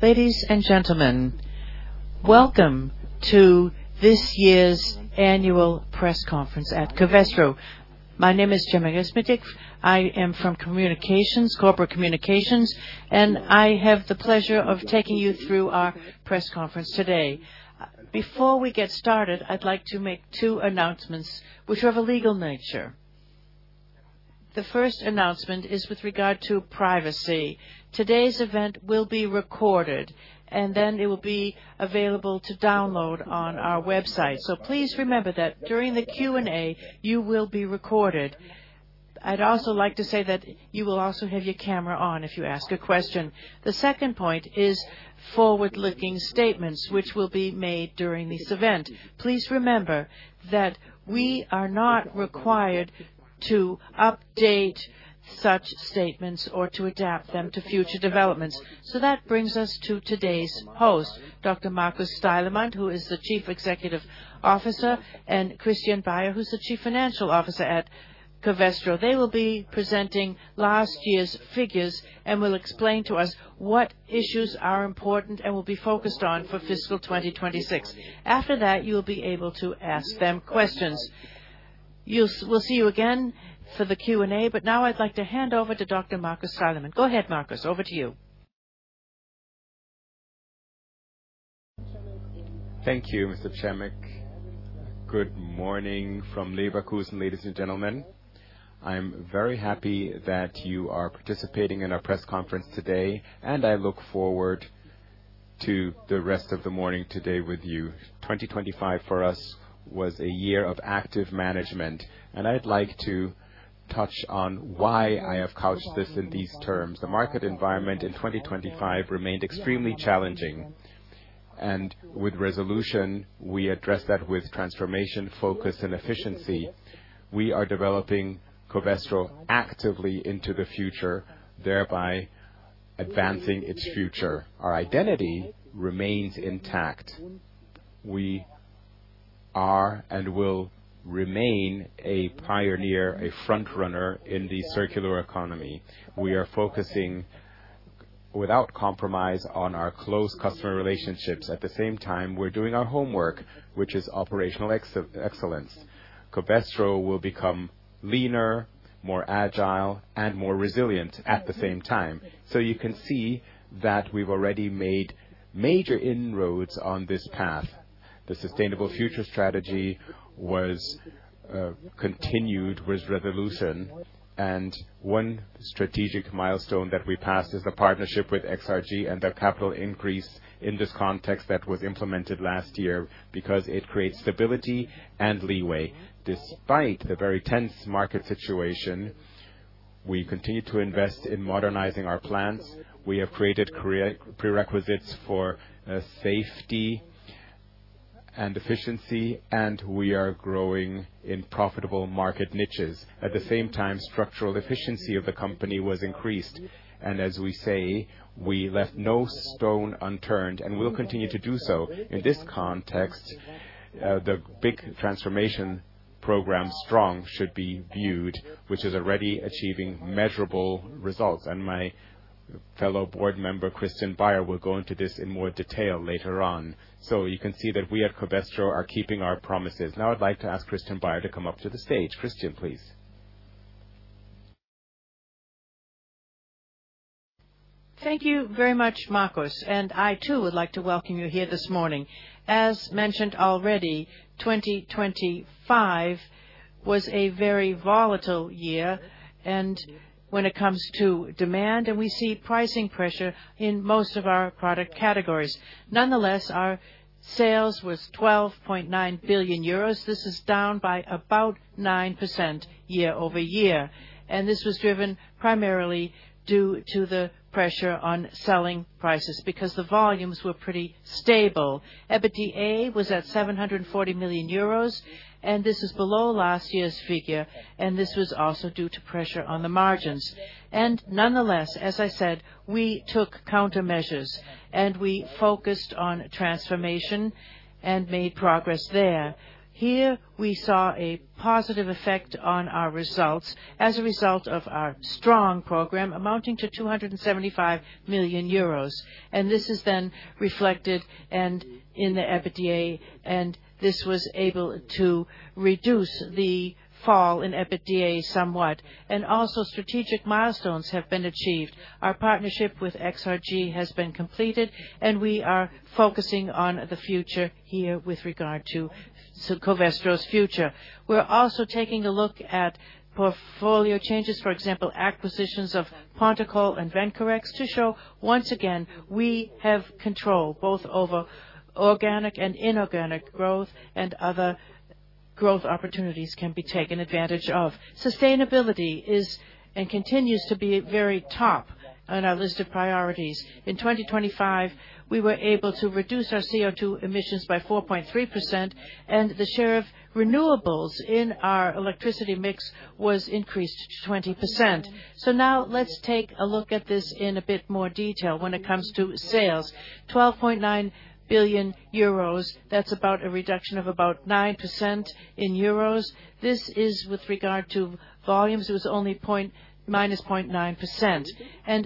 Ladies and gentlemen, welcome to this year's annual press conference at Covestro. My name is. I am from communications, corporate communications, and I have the pleasure of taking you through our press conference today. Before we get started, I'd like to make two announcements which are of a legal nature. The first announcement is with regard to privacy. Today's event will be recorded and then it will be available to download on our website. Please remember that during the Q&A, you will be recorded. I'd also like to say that you will also have your camera on if you ask a question. The second point is forward-looking statements which will be made during this event. Please remember that we are not required to update such statements or to adapt them to future developments. That brings us to today's host, Dr. Markus Steilemann, who is the Chief Executive Officer, and Christian Baier, who's the Chief Financial Officer at Covestro. They will be presenting last year's figures and will explain to us what issues are important and will be focused on for fiscal 2026. After that, you'll be able to ask them questions. We'll see you again for the Q&A, but now I'd like to hand over to Dr. Markus Steilemann. Go ahead, Markus, over to you. Thank you, Good morning from Leverkusen, ladies and gentlemen. I'm very happy that you are participating in our press conference today, and I look forward to the rest of the morning today with you. 2025 for us was a year of active management, and I'd like to touch on why I have couched this in these terms. The market environment in 2025 remained extremely challenging, and with resolution, we addressed that with transformation, focus, and efficiency. We are developing Covestro actively into the future, thereby advancing its future. Our identity remains intact. We are and will remain a pioneer, a front-runner in the circular economy. We are focusing without compromise on our close customer relationships. At the same time, we're doing our homework, which is operational excellence. Covestro will become leaner, more agile, and more resilient at the same time. You can see that we've already made major inroads on this path. The Sustainable Future strategy was continued with resolve, and one strategic milestone that we passed is the partnership with XRG and their capital increase in this context that was implemented last year because it creates stability and leeway. Despite the very tense market situation, we continue to invest in modernizing our plants. We have created clear prerequisites for safety and efficiency, and we are growing in profitable market niches. At the same time, structural efficiency of the company was increased, and as we say, we left no stone unturned, and we will continue to do so. In this context, the big transformation program STRONG should be viewed, which is already achieving measurable results. My fellow board member, Christian Baier, will go into this in more detail later on. You can see that we at Covestro are keeping our promises. Now, I'd like to ask Christian Baier to come up to the stage. Christian, please. Thank you very much, Markus, and I, too, would like to welcome you here this morning. As mentioned already, 2025 was a very volatile year and when it comes to demand, and we see pricing pressure in most of our product categories. Nonetheless, our sales was 12.9 billion euros. This is down by about 9% year-over-year, and this was driven primarily due to the pressure on selling prices because the volumes were pretty stable. EBITDA was at 740 million euros, and this is below last year's figure, and this was also due to pressure on the margins. Nonetheless, as I said, we took countermeasures, and we focused on transformation and made progress there. Here, we saw a positive effect on our results as a result of our STRONG program amounting to 275 million euros. This is then reflected and in the EBITDA, and this was able to reduce the fall in EBITDA somewhat. Also, strategic milestones have been achieved. Our partnership with XRG has been completed, and we are focusing on the future here with regard to Covestro's future. We're also taking a look at portfolio changes, for example, acquisitions of Pontacol and Vencorex, to show once again we have control both over organic and inorganic growth, and other growth opportunities can be taken advantage of. Sustainability is and continues to be very top on our list of priorities. In 2025, we were able to reduce our CO2 emissions by 4.3%, and the share of renewables in our electricity mix was increased to 20%. Now let's take a look at this in a bit more detail when it comes to sales. 12.9 billion euros, that's about a reduction of about 9% in euros. This is with regard to volumes. It was only -0.9%.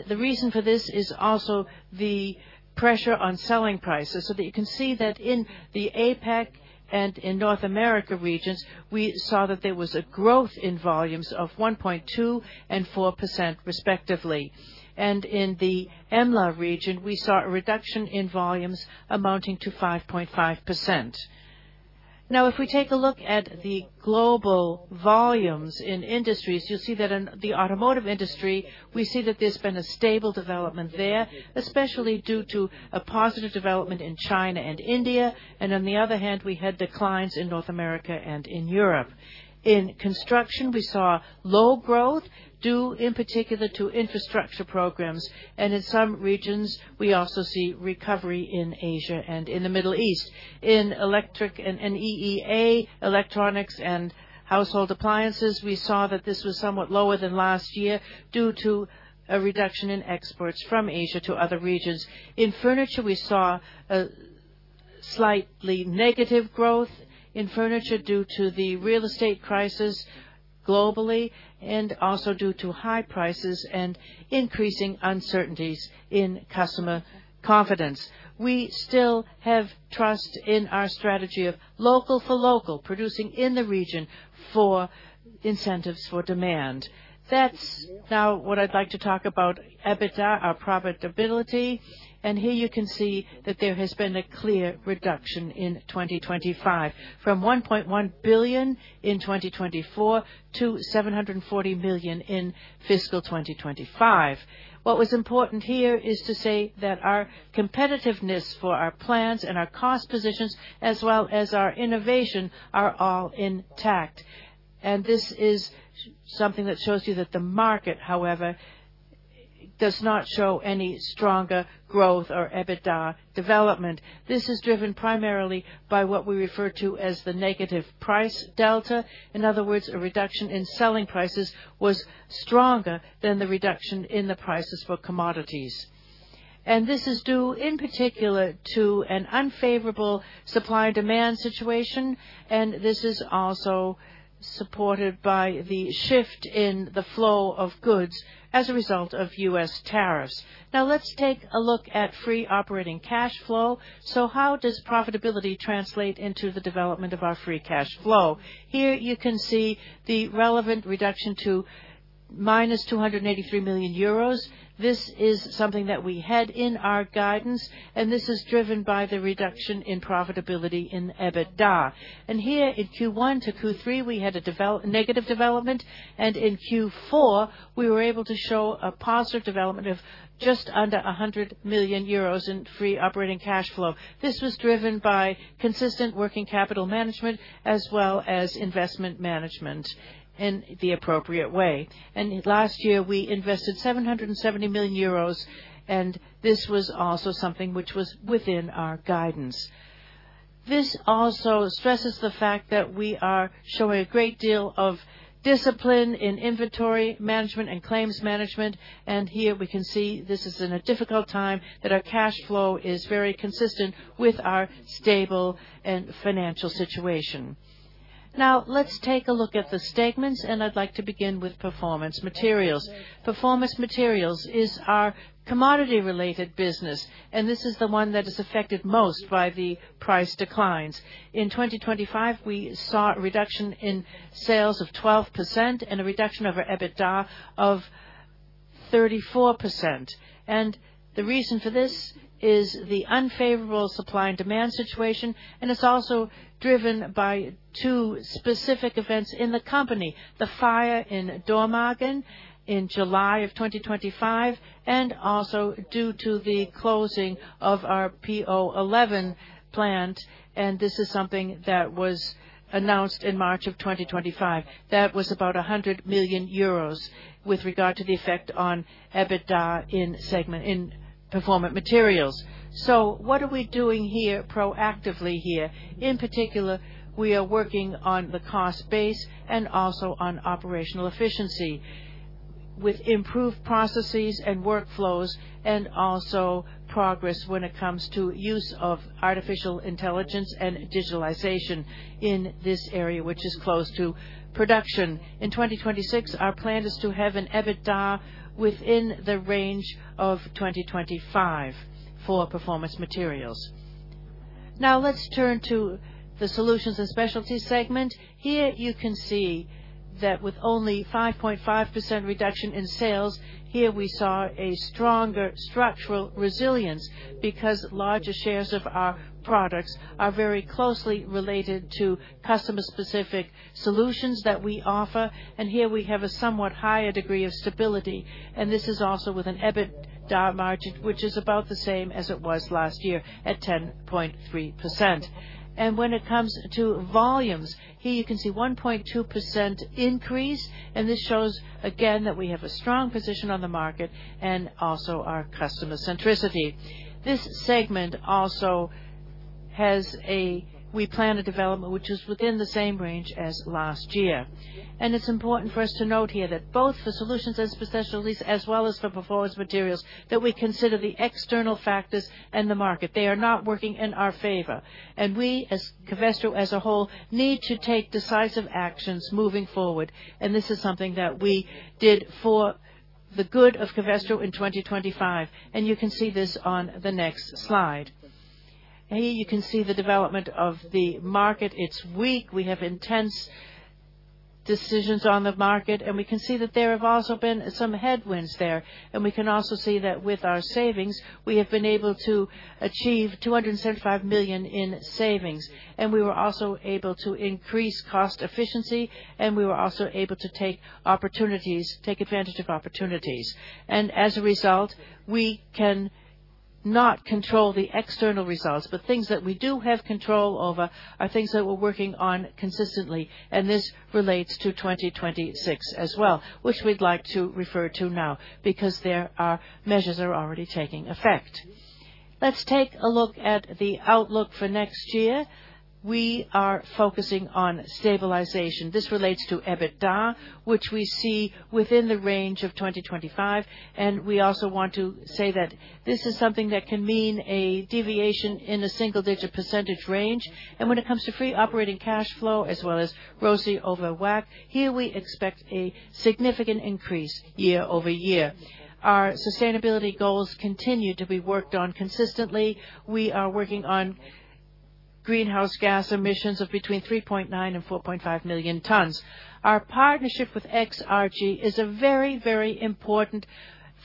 The reason for this is also the pressure on selling prices. That you can see that in the APAC and in North America regions, we saw that there was a growth in volumes of 1.2% and 4% respectively. In the EMEA region, we saw a reduction in volumes amounting to 5.5%. Now, if we take a look at the global volumes in industries, you'll see that in the automotive industry, we see that there's been a stable development there, especially due to a positive development in China and India. On the other hand, we had declines in North America and in Europe. In construction, we saw low growth due in particular to infrastructure programs, and in some regions, we also see recovery in Asia and in the Middle East. In electric and E&E electronics and household appliances, we saw that this was somewhat lower than last year due to a reduction in exports from Asia to other regions. In furniture, we saw a slightly negative growth in furniture due to the real estate crisis globally and also due to high prices and increasing uncertainties in customer confidence. We still have trust in our strategy of local for local, producing in the region for incentives for demand. That's now what I'd like to talk about EBITDA, our profitability. Here you can see that there has been a clear reduction in 2025 from 1.1 billion in 2024 to 740 million in fiscal 2025. What was important here is to say that our competitiveness for our plans and our cost positions as well as our innovation are all intact. This is something that shows you that the market, however, does not show any stronger growth or EBITDA development. This is driven primarily by what we refer to as the negative price delta. In other words, a reduction in selling prices was stronger than the reduction in the prices for commodities. This is due in particular to an unfavorable supply and demand situation, and this is also supported by the shift in the flow of goods as a result of U.S. tariffs. Now let's take a look at free operating cash flow. How does profitability translate into the development of our free cash flow? Here you can see the relevant reduction to -283 million euros. This is something that we had in our guidance, and this is driven by the reduction in profitability in EBITDA. Here in Q1 to Q3, we had a negative development, and in Q4, we were able to show a positive development of just under 100 million euros in free operating cash flow. This was driven by consistent working capital management as well as investment management in the appropriate way. Last year, we invested 770 million euros, and this was also something which was within our guidance. This also stresses the fact that we are showing a great deal of discipline in inventory management and claims management. Here we can see this is in a difficult time, that our cash flow is very consistent with our stable and financial situation. Now let's take a look at the statements, and I'd like to begin with Performance Materials. Performance Materials is our commodity-related business, and this is the one that is affected most by the price declines. In 2025, we saw a reduction in sales of 12% and a reduction of our EBITDA of 34%. The reason for this is the unfavorable supply and demand situation, and it's also driven by two specific events in the company, the fire in Dormagen in July of 2025 and also due to the closing of our PO11 plant. This is something that was announced in March of 2025. That was about 100 million euros with regard to the effect on EBITDA in segment in Performance Materials. What are we doing here proactively here? In particular, we are working on the cost base and also on operational efficiency with improved processes and workflows and also progress when it comes to use of artificial intelligence and digitalization in this area, which is close to production. In 2026, our plan is to have an EBITDA within the range of 2025 for Performance Materials. Now let's turn to the Solutions & Specialties segment. Here you can see that with only 5.5% reduction in sales, here we saw a stronger structural resilience because larger shares of our products are very closely related to customer-specific solutions that we offer. Here we have a somewhat higher degree of stability, and this is also with an EBITDA margin, which is about the same as it was last year at 10.3%. When it comes to volumes, here you can see 1.2% increase, and this shows again that we have a strong position on the market and also our customer centricity. This segment, we plan a development which is within the same range as last year. It's important for us to note here that both Solutions & Specialties as well as Performance Materials, that we consider the external factors and the market. They are not working in our favor. We, as Covestro as a whole, need to take decisive actions moving forward. This is something that we did for the good of Covestro in 2025, and you can see this on the next slide. Here, you can see the development of the market. It's weak. We have intense decisions on the market, and we can see that there have also been some headwinds there. We can also see that with our savings, we have been able to achieve 275 million in savings. We were also able to increase cost efficiency, and we were also able to take advantage of opportunities. As a result, we cannot control the external results, but things that we do have control over are things that we're working on consistently, and this relates to 2026 as well, which we'd like to refer to now because there are measures that are already taking effect. Let's take a look at the outlook for next year. We are focusing on stabilization. This relates to EBITDA, which we see within the range of 2025, and we also want to say that this is something that can mean a deviation in a single-digit percentage range. When it comes to free operating cash flow as well as ROCE over WACC, here we expect a significant increase year-over-year. Our sustainability goals continue to be worked on consistently. We are working on greenhouse gas emissions of between 3.9 and 4.5 million tons. Our partnership with XRG is a very, very important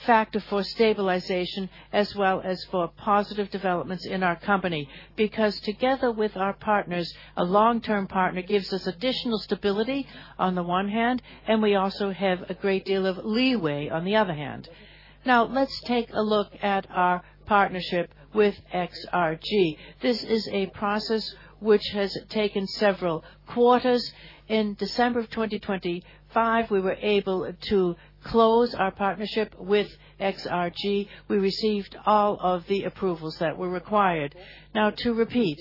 factor for stabilization as well as for positive developments in our company. Because together with our partners, a long-term partner gives us additional stability on the one hand, and we also have a great deal of leeway on the other hand. Now, let's take a look at our partnership with XRG. This is a process which has taken several quarters. In December of 2025, we were able to close our partnership with XRG. We received all of the approvals that were required. Now to repeat,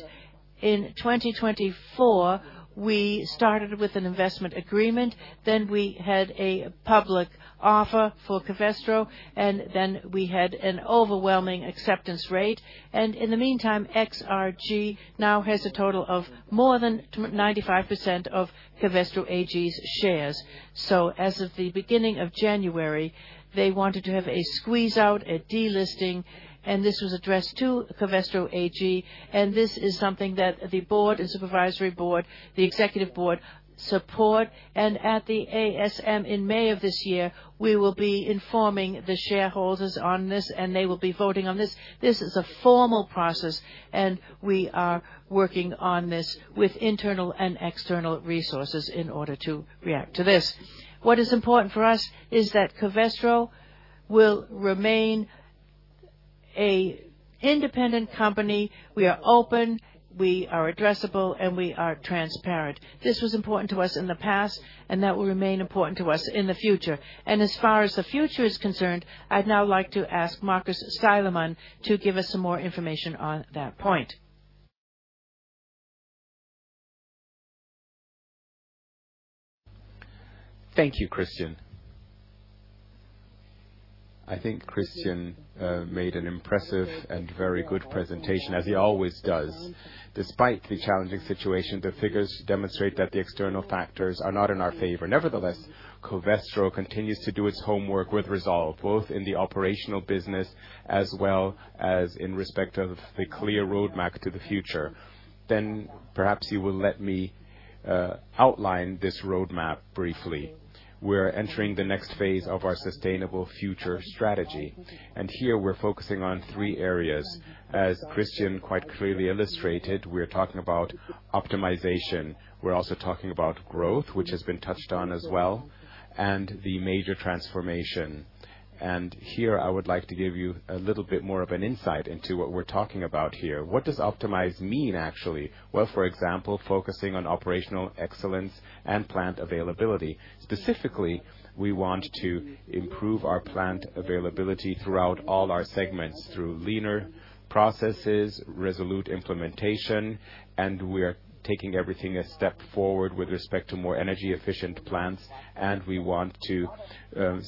in 2024, we started with an investment agreement, then we had a public offer for Covestro, and then we had an overwhelming acceptance rate. In the meantime, XRG now has a total of more than 95% of Covestro AG's shares. As of the beginning of January, they wanted to have a squeeze-out, a delisting, and this was addressed to Covestro AG. This is something that the board and supervisory board, the executive board support. At the AGM in May of this year, we will be informing the shareholders on this, and they will be voting on this. This is a formal process, and we are working on this with internal and external resources in order to react to this. What is important for us is that Covestro will remain an independent company. We are open, we are addressable, and we are transparent. This was important to us in the past, and that will remain important to us in the future. As far as the future is concerned, I'd now like to ask Markus Steilemann to give us some more information on that point. Thank you, Christian. I think Christian made an impressive and very good presentation as he always does. Despite the challenging situation, the figures demonstrate that the external factors are not in our favor. Nevertheless, Covestro continues to do its homework with resolve, both in the operational business as well as in respect of the clear roadmap to the future. Perhaps you will let me outline this roadmap briefly. We're entering the next phase of our Sustainable Future strategy, and here we're focusing on three areas. As Christian quite clearly illustrated, we're talking about optimization. We're also talking about growth, which has been touched on as well, and the major transformation. Here I would like to give you a little bit more of an insight into what we're talking about here. What does optimize mean, actually? Well, for example, focusing on operational excellence and plant availability. Specifically, we want to improve our plant availability throughout all our segments through leaner processes, resolute implementation, and we are taking everything a step forward with respect to more energy-efficient plants, and we want to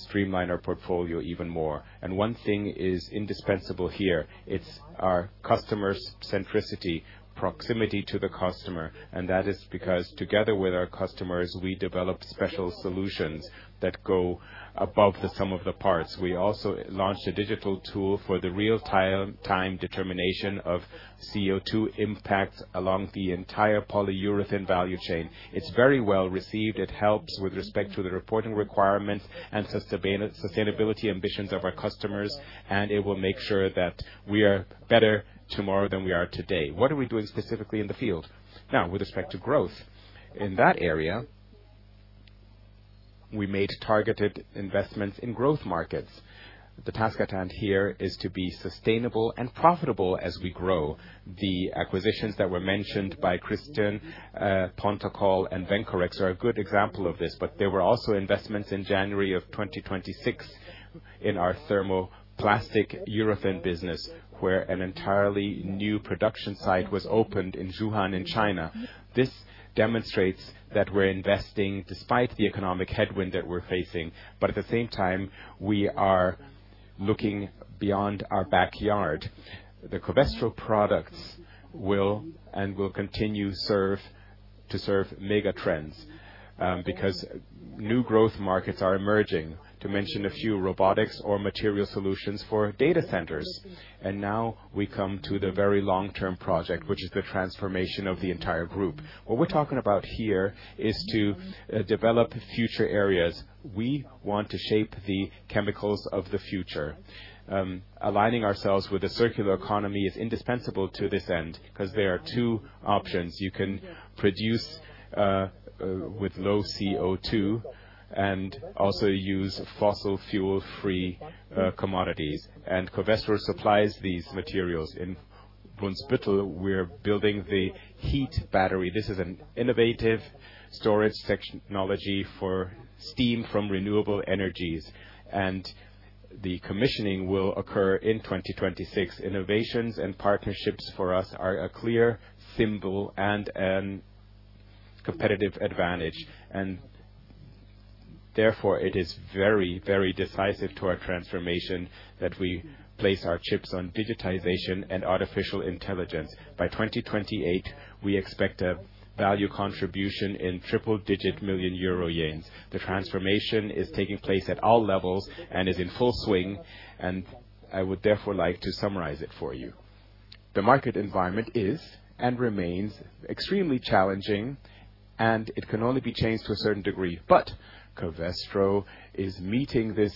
streamline our portfolio even more. One thing is indispensable here. It's our customer's centricity, proximity to the customer, and that is because together with our customers, we develop special solutions that go above the sum of the parts. We also launched a digital tool for the real-time determination of CO2 impacts along the entire polyurethane value chain. It's very well-received. It helps with respect to the reporting requirements and sustainability ambitions of our customers, and it will make sure that we are better tomorrow than we are today. What are we doing specifically in the field? Now, with respect to growth, in that area. We made targeted investments in growth markets. The task at hand here is to be sustainable and profitable as we grow. The acquisitions that were mentioned by Christian, Pontacol and Vencorex are a good example of this, but there were also investments in January 2026 in our thermoplastic polyurethane business, where an entirely new production site was opened in Zhuhai in China. This demonstrates that we're investing despite the economic headwind that we're facing, but at the same time, we are looking beyond our backyard. The Covestro products will continue to serve mega trends, because new growth markets are emerging. To mention a few, robotics or material solutions for data centers. Now we come to the very long-term project, which is the transformation of the entire group. What we're talking about here is to develop future areas. We want to shape the chemicals of the future. Aligning ourselves with a circular economy is indispensable to this end 'cause there are two options. You can produce with low CO2 and also use fossil fuel-free commodities. Covestro supplies these materials. In Brunsbüttel, we're building the heat battery. This is an innovative storage system technology for steam from renewable energies, and the commissioning will occur in 2026. Innovations and partnerships for us are a clear symbol and a competitive advantage, and therefore it is very, very decisive to our transformation that we place our chips on digitization and artificial intelligence. By 2028, we expect a value contribution in triple-digit million EUR yields. The transformation is taking place at all levels and is in full swing, and I would therefore like to summarize it for you. The market environment is and remains extremely challenging, and it can only be changed to a certain degree. Covestro is meeting this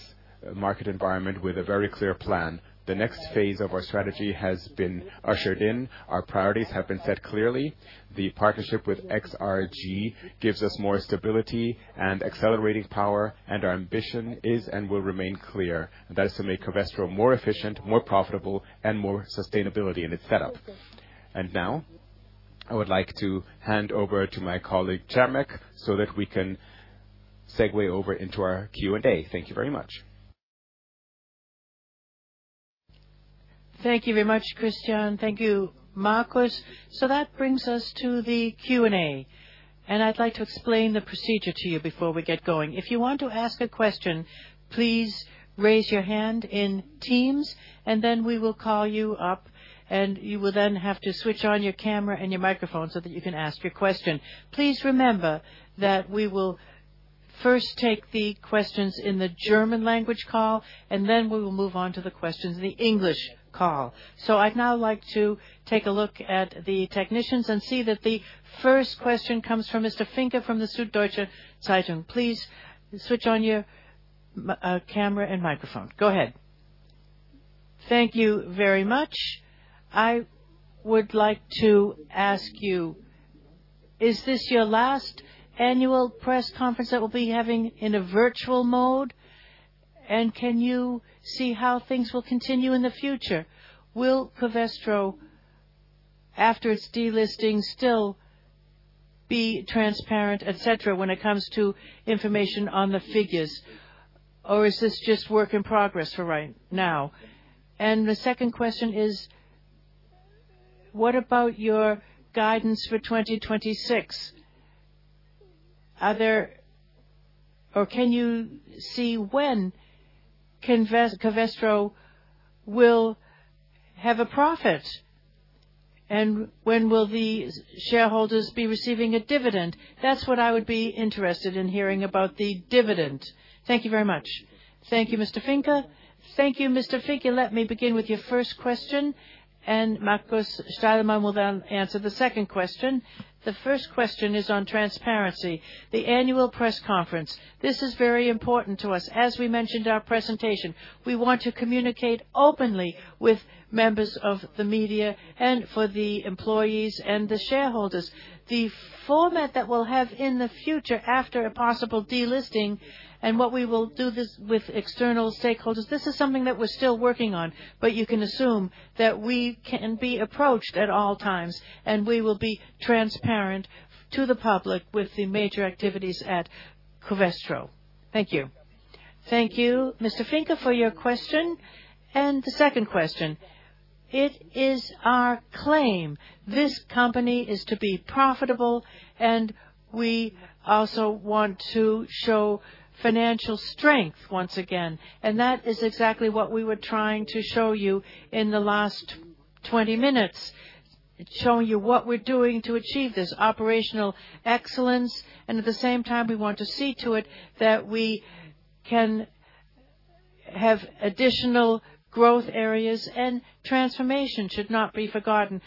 market environment with a very clear plan. The next phase of our strategy has been ushered in. Our priorities have been set clearly. The partnership with XRG gives us more stability and accelerating power, and our ambition is and will remain clear. That is to make Covestro more efficient, more profitable, and more sustainability in its setup. Now I would like to hand over to my colleague, Przemek, so that we can segue over into our Q&A. Thank you very much. Thank you very much, Christian. Thank you, Markus. That brings us to the Q&A. I'd like to explain the procedure to you before we get going. If you want to ask a question, please raise your hand in Teams, and then we will call you up, and you will then have to switch on your camera and your microphone so that you can ask your question. Please remember that we will first take the questions in the German language call, and then we will move on to the questions in the English call. I'd now like to take a look at the technicians and see that the first question comes from Mr. Finke from the Süddeutsche Zeitung. Please switch on your camera and microphone. Go ahead. Thank you very much. I would like to ask you, is this your last annual press conference that we'll be having in a virtual mode? Can you see how things will continue in the future? Will Covestro, after its delisting, still be transparent, et cetera, when it comes to information on the figures? Or is this just work in progress for right now? The second question is, what about your guidance for 2026? Or can you see when Covestro will have a profit? When will the shareholders be receiving a dividend? That's what I would be interested in hearing about the dividend. Thank you very much. Thank you, Mr. Finke. Let me begin with your first question, Markus Steilemann will then answer the second question. The first question is on transparency, the annual press conference. This is very important to us. As we mentioned in our presentation, we want to communicate openly with members of the media and for the employees and the shareholders. The format that we'll have in the future after a possible delisting and what we will do this with external stakeholders, this is something that we're still working on, but you can assume that we can be approached at all times, and we will be transparent to the public with the major activities at Covestro. Thank you. Thank you, Mr. Finke, for your question. The second question. It is our claim this company is to be profitable, and we also want to show financial strength once again. That is exactly what we were trying to show you in the last 20 minutes, showing you what we're doing to achieve this operational excellence. At the same time, we want to see to it that we can have additional growth areas and transformation should not be forgotten.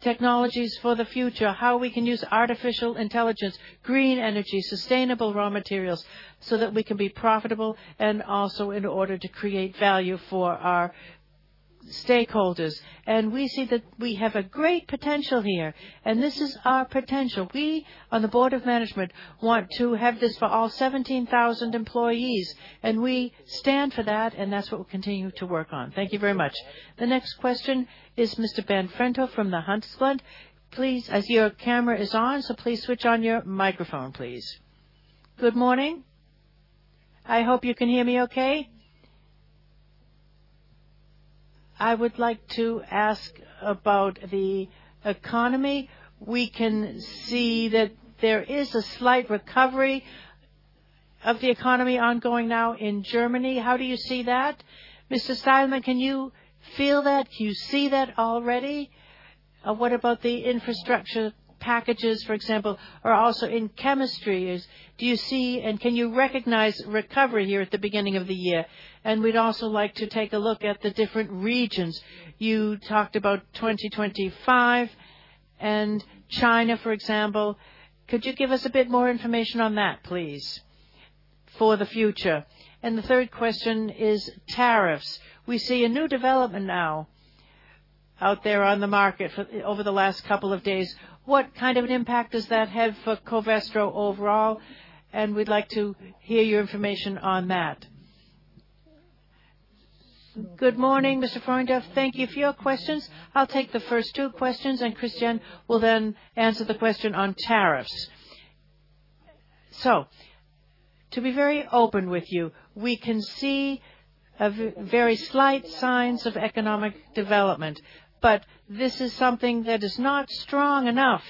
Technologies for the future, how we can use artificial intelligence, green energy, sustainable raw materials, so that we can be profitable and also in order to create value for our shareholders. Stakeholders, and we see that we have a great potential here, and this is our potential. We, on the board of management, want to have this for all 17,000 employees, and we stand for that, and that's what we'll continue to work on. Thank you very much. The next question is Mr. Ben Frentorf from the Handelsblatt. Please, I see your camera is on, so please switch on your microphone, please. Good morning. I hope you can hear me okay. I would like to ask about the economy. We can see that there is a slight recovery of the economy ongoing now in Germany. How do you see that? Mr. Steilemann, can you feel that? Do you see that already? What about the infrastructure packages, for example? Or also in chemistry, do you see and can you recognize recovery here at the beginning of the year? We'd also like to take a look at the different regions. You talked about 2025 and China, for example. Could you give us a bit more information on that, please, for the future? The third question is tariffs. We see a new development now out there on the market over the last couple of days. What kind of an impact does that have for Covestro overall? We'd like to hear your information on that. Good morning, Mr. Frentorf. Thank you for your questions. I'll take the first two questions, and Christian will then answer the question on tariffs. To be very open with you, we can see very slight signs of economic development, but this is something that is not strong enough,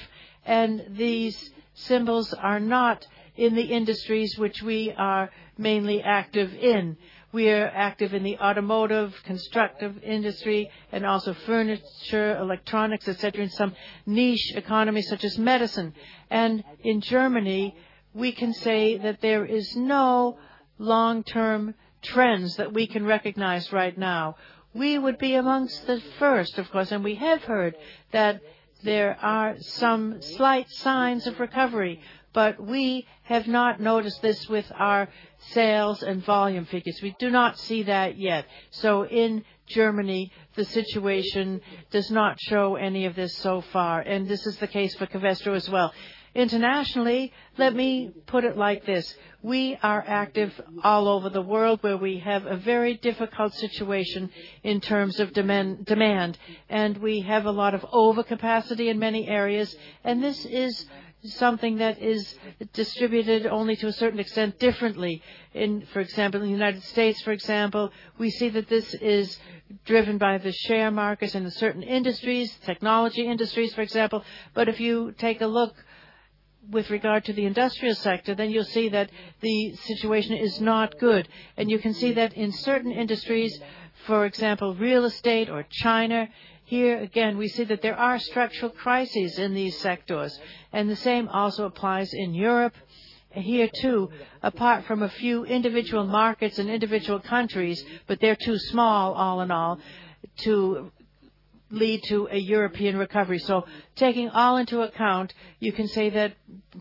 and these signs are not in the industries which we are mainly active in. We are active in the automotive, construction industry and also furniture, electronics, et cetera, in some niche economies such as medicine. In Germany, we can say that there is no long-term trends that we can recognize right now. We would be among the first, of course, and we have heard that there are some slight signs of recovery, but we have not noticed this with our sales and volume figures. We do not see that yet. In Germany, the situation does not show any of this so far, and this is the case for Covestro as well. Internationally, let me put it like this: We are active all over the world, where we have a very difficult situation in terms of demand, and we have a lot of overcapacity in many areas. And this is something that is distributed only to a certain extent differently. In, for example, the United States, for example, we see that this is driven by the share markets in the certain industries, technology industries, for example. If you take a look with regard to the industrial sector, then you'll see that the situation is not good. You can see that in certain industries, for example, real estate or China. Here again, we see that there are structural crises in these sectors, and the same also applies in Europe. Here too, apart from a few individual markets and individual countries, but they're too small all in all to lead to a European recovery. Taking all into account, you can say that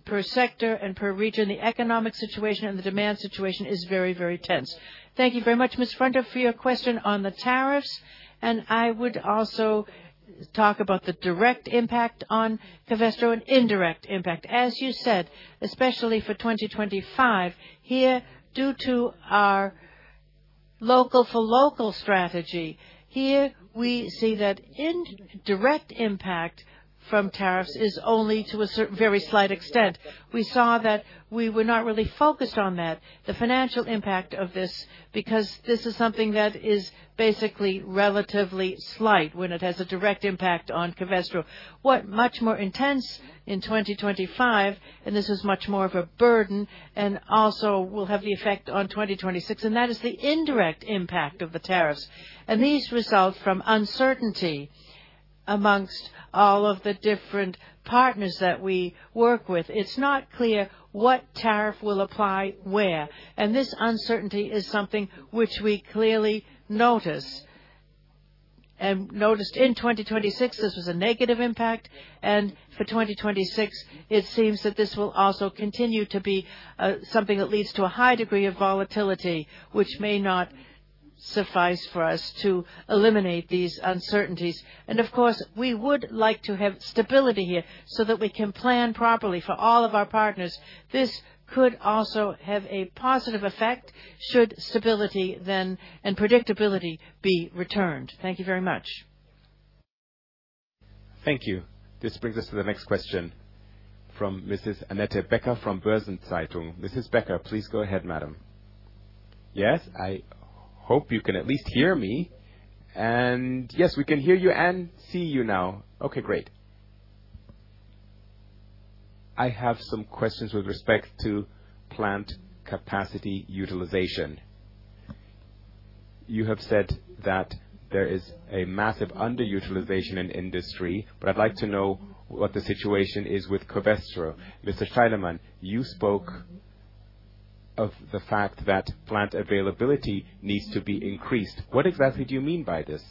per sector and per region, the economic situation and the demand situation is very, very tense. Thank you very much, Ms. Frentorf, for your question on the tariffs. I would also talk about the direct impact on Covestro and indirect impact, as you said, especially for 2025. Here, due to our local for local strategy, here we see that indirect impact from tariffs is only to a very slight extent. We saw that we were not really focused on that, the financial impact of this, because this is something that is basically relatively slight when it has a direct impact on Covestro. What much more intense in 2025, and this is much more of a burden and also will have the effect on 2026, and that is the indirect impact of the tariffs. These result from uncertainty among all of the different partners that we work with. It's not clear what tariff will apply where. This uncertainty is something which we clearly notice. Noticed in 2026, this was a negative impact. For 2026, it seems that this will also continue to be something that leads to a high degree of volatility, which may not suffice for us to eliminate these uncertainties. Of course, we would like to have stability here so that we can plan properly for all of our partners. This could also have a positive effect should stability then and predictability be returned. Thank you very much. Thank you. This brings us to the next question from Mrs. Annette Becker from Börsen-Zeitung. Mrs. Becker, please go ahead, madam. Yes. I hope you can at least hear me. Yes, we can hear you and see you now. Okay, great.I have some questions with respect to plant capacity utilization. You have said that there is a massive underutilization in industry, but I'd like to know what the situation is with Covestro. Mr. Steilemann, you spoke of the fact that plant availability needs to be increased. What exactly do you mean by this?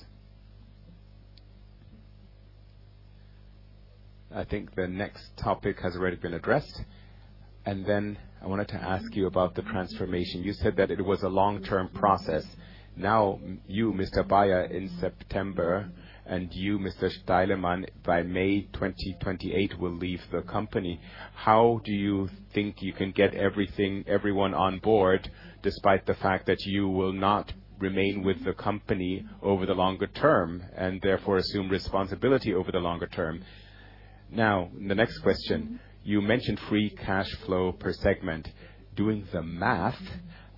I think the next topic has already been addressed. I wanted to ask you about the transformation. You said that it was a long-term process. Now, you, Mr. Baier, in September, and you, Mr. Steilemann, by May 2028, will leave the company. How do you think you can get everything, everyone on board, despite the fact that you will not remain with the company over the longer term and therefore assume responsibility over the longer term? Now, the next question, you mentioned free cash flow per segment. Doing the math,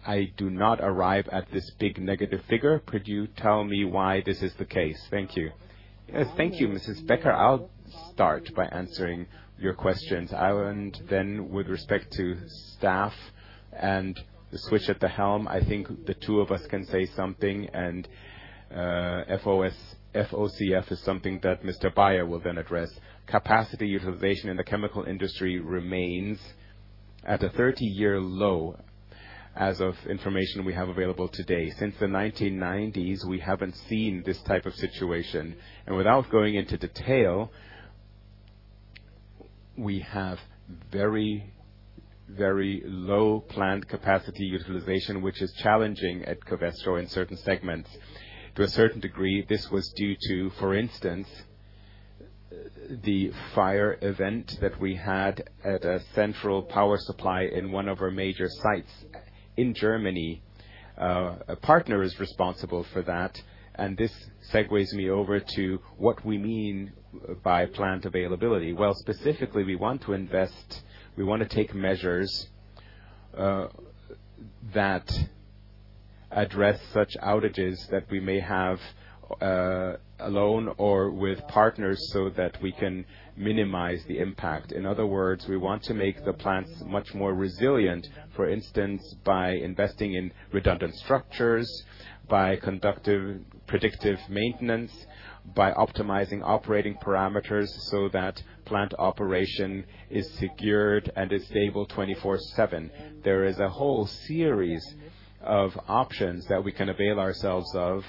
I do not arrive at this big negative figure. Could you tell me why this is the case? Thank you. Yes, thank you, Mrs. Becker. I'll start by answering your questions. And then with respect to staff and the switch at the helm, I think the two of us can say something, and FOCF is something that Mr. Baier will then address. Capacity utilization in the chemical industry remains at a 30 year low as of information we have available today. Since the 1990s, we haven't seen this type of situation. Without going into detail, we have very, very low plant capacity utilization, which is challenging at Covestro in certain segments. To a certain degree, this was due to, for instance, the fire event that we had at a central power supply in one of our major sites in Germany. A partner is responsible for that, and this segues me over to what we mean by plant availability. Specifically, we want to invest, we wanna take measures, that address such outages that we may have, alone or with partners so that we can minimize the impact. In other words, we want to make the plants much more resilient, for instance, by investing in redundant structures, by conducting predictive maintenance, by optimizing operating parameters so that plant operation is secured and is stable 24/7. There is a whole series of options that we can avail ourselves of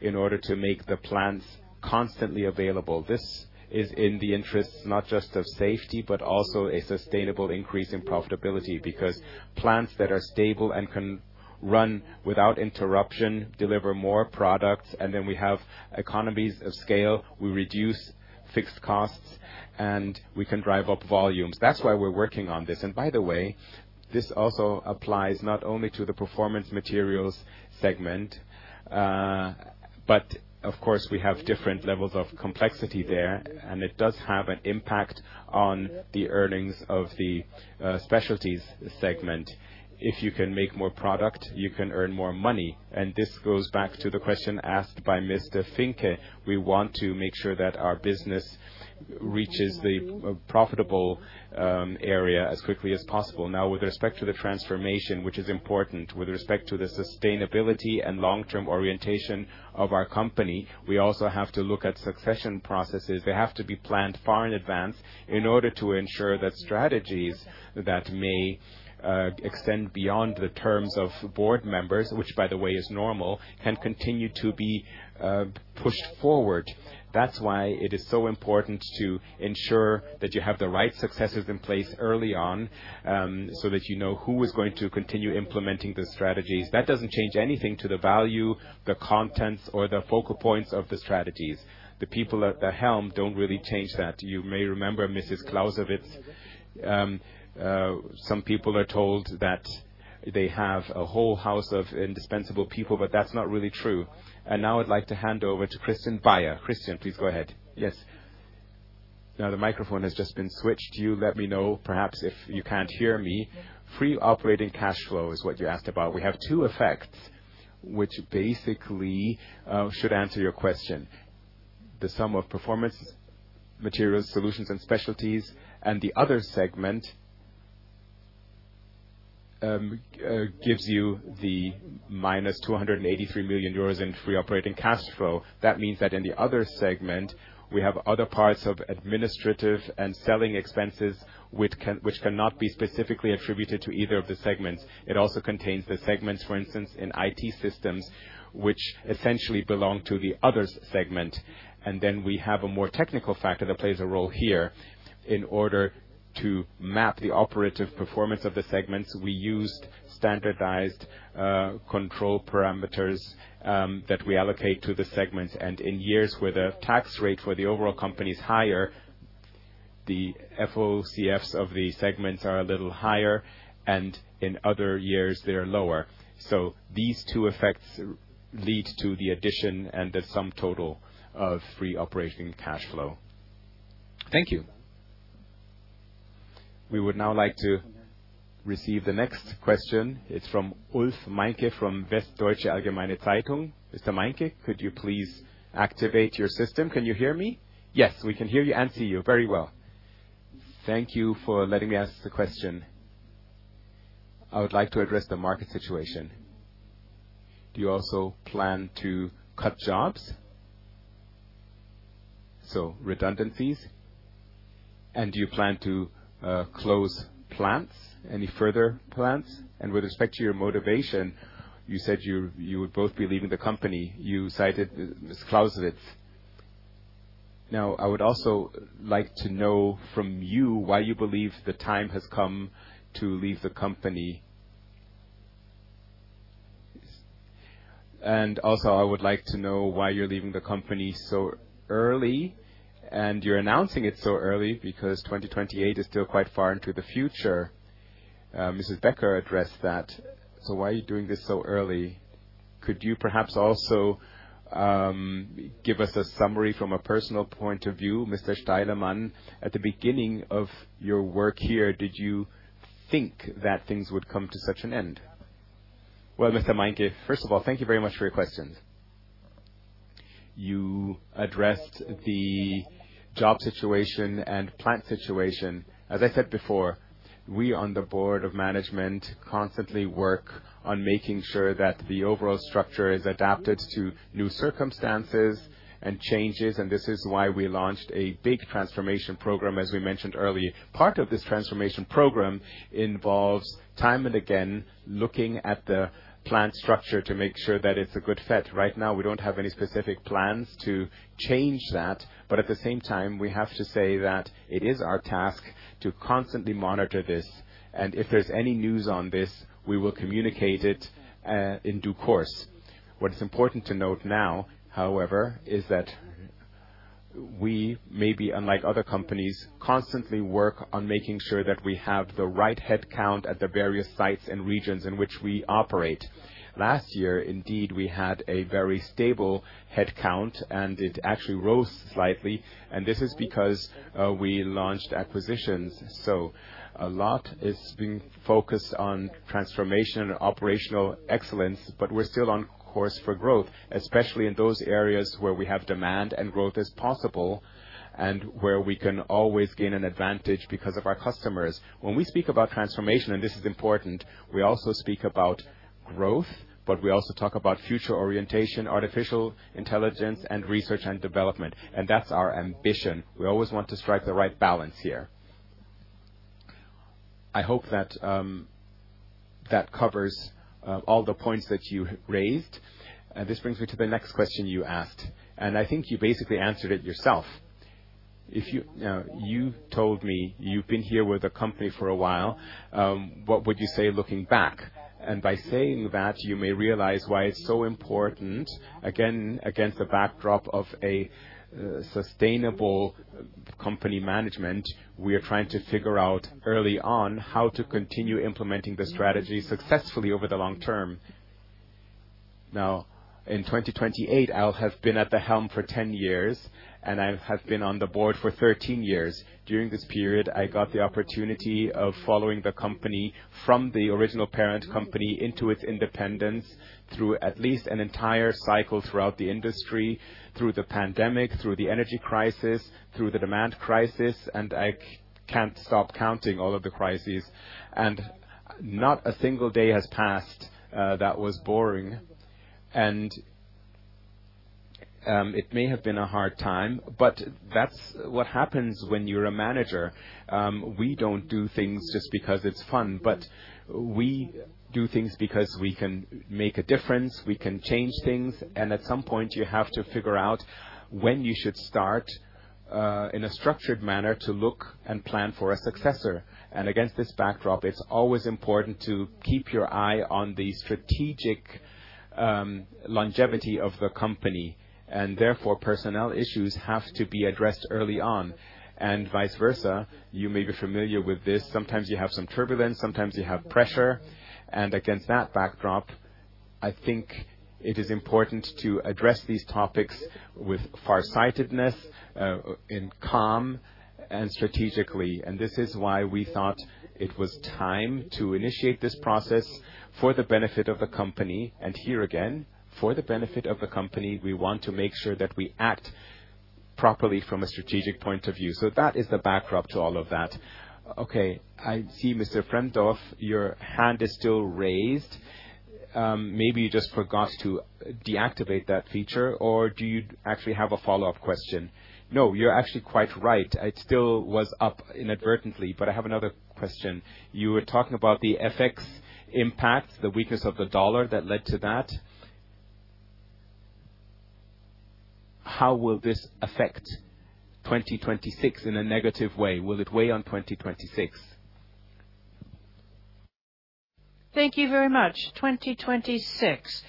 in order to make the plants constantly available. This is in the interests not just of safety, but also a sustainable increase in profitability because plants that are stable and can run without interruption deliver more products, and then we have economies of scale. We reduce fixed costs, and we can drive up volumes. That's why we're working on this. By the way, this also applies not only to the Performance Materials segment, but of course, we have different levels of complexity there, and it does have an impact on the earnings of the specialties segment. If you can make more product, you can earn more money. This goes back to the question asked by Mr. Finke. We want to make sure that our business reaches the profitable area as quickly as possible. Now, with respect to the transformation, which is important, with respect to the sustainability and long-term orientation of our company, we also have to look at succession processes. They have to be planned far in advance in order to ensure that strategies that may extend beyond the terms of board members, which by the way is normal, can continue to be pushed forward. That's why it is so important to ensure that you have the right successors in place early on, so that you know who is going to continue implementing the strategies. That doesn't change anything to the value, the contents, or the focal points of the strategies. The people at the helm don't really change that. You may remember, Mrs. Clausewitz, some people are told that they have a whole house of indispensable people, but that's not really true. Now I'd like to hand over to Christian Baier. Christian, please go ahead. Yes. Now the microphone has just been switched. You let me know, perhaps, if you can't hear me. Free operating cash flow is what you asked about. We have two effects which basically should answer your question. The sum of Performance Materials, Solutions & Specialties, and the other segment gives you the -283 million euros in free operating cash flow. That means that in the other segment, we have other parts of administrative and selling expenses which cannot be specifically attributed to either of the segments. It also contains the segments, for instance, in IT systems, which essentially belong to the others segment. Then we have a more technical factor that plays a role here. In order to map the operative performance of the segments, we used standardized control parameters that we allocate to the segments. In years where the tax rate for the overall company is higher, the FOCFs of the segments are a little higher, and in other years, they're lower. These two effects lead to the addition and the sum total of free operating cash flow. Thank you. We would now like to receive the next question. It's from Ulf Meinke from Westdeutsche Allgemeine Zeitung. Mr. Meinke, could you please activate your system? Can you hear me? Yes, we can hear you and see you very well. Thank you for letting me ask the question. I would like to address the market situation. Do you also plan to cut jobs? Redundancies? Do you plan to close plants, any further plants? With respect to your motivation, you said you would both be leaving the company. You cited Mrs. Clausetitz. Now, I would also like to know from you why you believe the time has come to leave the company? Also, I would like to know why you're leaving the company so early and you're announcing it so early because 2028 is still quite far into the future. Mrs. Becker addressed that. So why are you doing this so early? Could you perhaps also give us a summary from a personal point of view? Mr. Steilemann, at the beginning of your work here, did you think that things would come to such an end? Well, Mr. Meinke, first of all, thank you very much for your questions. You addressed the job situation and plant situation. As I said before, we on the board of management constantly work on making sure that the overall structure is adapted to new circumstances and changes, and this is why we launched a big transformation program, as we mentioned earlier. Part of this transformation program involves time and again, looking at the plant structure to make sure that it's a good fit. Right now, we don't have any specific plans to change that, but at the same time, we have to say that it is our task to constantly monitor this, and if there's any news on this, we will communicate it in due course. What is important to note now, however, is that we, maybe unlike other companies, constantly work on making sure that we have the right headcount at the various sites and regions in which we operate. Last year, indeed, we had a very stable headcount and it actually rose slightly. This is because we launched acquisitions. A lot is being focused on transformation and operational excellence, but we're still on course for growth, especially in those areas where we have demand and growth is possible and where we can always gain an advantage because of our customers. When we speak about transformation, and this is important, we also speak about growth, but we also talk about future orientation, artificial intelligence, and research and development. That's our ambition. We always want to strike the right balance here. I hope that that covers all the points that you raised. This brings me to the next question you asked, and I think you basically answered it yourself. You told me you've been here with the company for a while, what would you say looking back? By saying that, you may realize why it's so important, again, against the backdrop of a sustainable company management, we are trying to figure out early on how to continue implementing the strategy successfully over the long term. Now, in 2028, I'll have been at the helm for 10 years, and I have been on the board for 13 years. During this period, I got the opportunity of following the company from the original parent company into its independence through at least an entire cycle throughout the industry, through the pandemic, through the energy crisis, through the demand crisis, and I can't stop counting all of the crises. Not a single day has passed that was boring. It may have been a hard time, but that's what happens when you're a manager. We don't do things just because it's fun, but we do things because we can make a difference, we can change things. At some point, you have to figure out when you should start, in a structured manner to look and plan for a successor. Against this backdrop, it's always important to keep your eye on the strategic, longevity of the company, and therefore, personnel issues have to be addressed early on and vice versa. You may be familiar with this. Sometimes you have some turbulence, sometimes you have pressure. Against that backdrop, I think it is important to address these topics with farsightedness, in calm and strategically. This is why we thought it was time to initiate this process for the benefit of the company. Here again, for the benefit of the company, we want to make sure that we act properly from a strategic point of view. That is the backdrop to all of that. Okay, I see Mr. Frentorf, your hand is still raised. Maybe you just forgot to deactivate that feature, or do you actually have a follow-up question? No, you're actually quite right. It still was up inadvertently, but I have another question. You were talking about the FX impact, the weakness of the dollar that led to that. How will this affect 2026 in a negative way? Will it weigh on 2026? Thank you very much. 2026.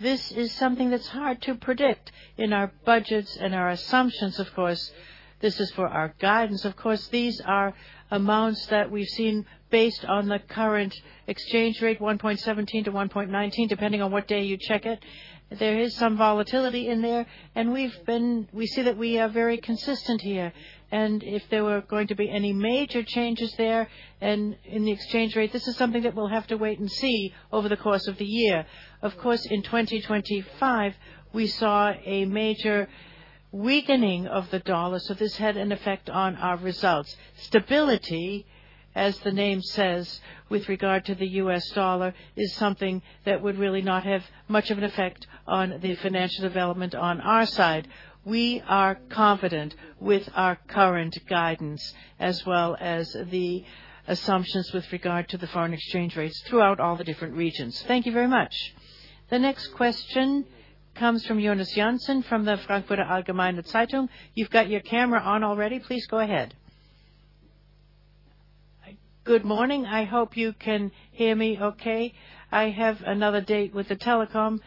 This is something that's hard to predict in our budgets and our assumptions, of course. This is for our guidance, of course. These are amounts that we've seen based on the current exchange rate, 1.17-1.19, depending on what day you check it. There is some volatility in there. We see that we are very consistent here. If there were going to be any major changes there and in the exchange rate, this is something that we'll have to wait and see over the course of the year. Of course, in 2025, we saw a major weakening of the dollar, so this had an effect on our results. Stability, as the name says, with regard to the US dollar, is something that would really not have much of an effect on the financial development on our side. We are confident with our current guidance as well as the assumptions with regard to the foreign exchange rates throughout all the different regions. Thank you very much. The next question comes from Jonas Jansen from the Frankfurter Allgemeine Zeitung. You've got your camera on already. Please go ahead. Good morning. I hope you can hear me okay. I have another date with the telecom.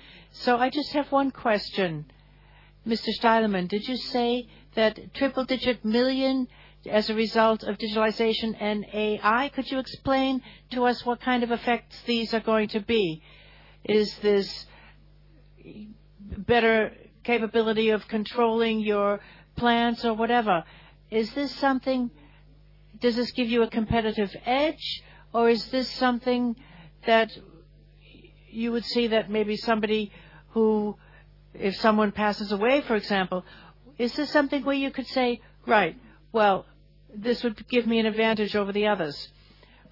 I just have one question. Mr. Steilemann, did you say that triple-digit million EUR as a result of digitalization and AI? Could you explain to us what kind of effects these are going to be? Is this better capability of controlling your plants or whatever? Is this something? Does this give you a competitive edge? Is this something that you would say that maybe somebody who, if someone passes away, for example, is this something where you could say, "Right, well, this would give me an advantage over the others?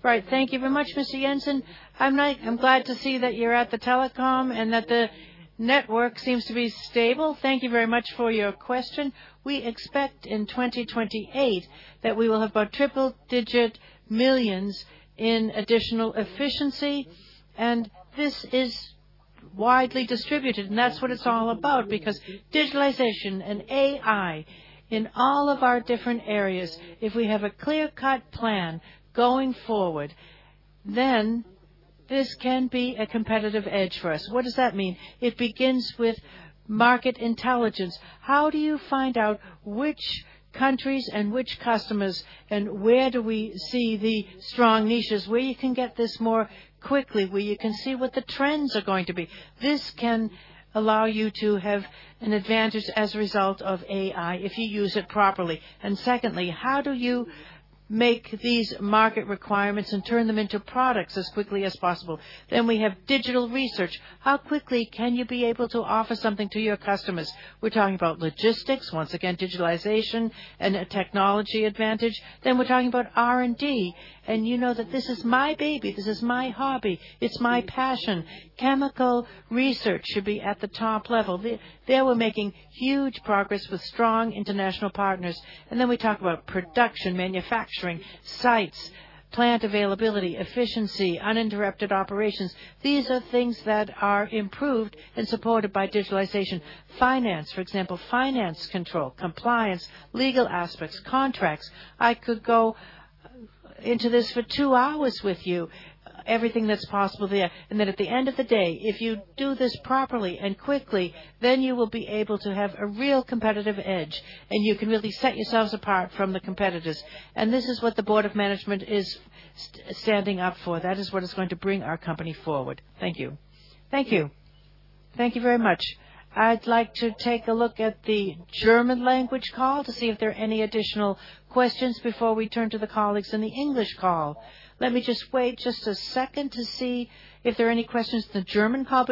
Right. Thank you very much, Mr. Jansen. I'm glad to see that you're at the telecom and that the network seems to be stable. Thank you very much for your question. We expect in 2028 that we will have about EUR triple-digit millions in additional efficiency, and this is widely distributed, and that's what it's all about, because digitalization and AI in all of our different areas, if we have a clear-cut plan going forward, then this can be a competitive edge for us. What does that mean? It begins with market intelligence. How do you find out which countries and which customers, and where do we see the strong niches, where you can get this more quickly, where you can see what the trends are going to be? This can allow you to have an advantage as a result of AI, if you use it properly. Secondly, how do you make these market requirements and turn them into products as quickly as possible? We have digital research. How quickly can you be able to offer something to your customers? We're talking about logistics, once again, digitalization and a technology advantage. We're talking about R&D. You know that this is my baby, this is my hobby, it's my passion. Chemical research should be at the top level. There we're making huge progress with strong international partners. We talk about production, manufacturing, sites, plant availability, efficiency, uninterrupted operations. These are things that are improved and supported by digitalization. Finance, for example, finance control, compliance, legal aspects, contracts. I could go into this for two hours with you. Everything that's possible there. At the end of the day, if you do this properly and quickly, then you will be able to have a real competitive edge, and you can really set yourselves apart from the competitors. This is what the board of management is standing up for. That is what is going to bring our company forward. Thank you. Thank you. Thank you very much. I'd like to take a look at the German language call to see if there are any additional questions before we turn to the colleagues in the English call. Let me just wait just a second to see if there are any questions in the German call